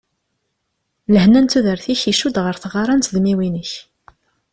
Lehna n tudert-ik icudd ɣer tɣara n tedmiwin-ik.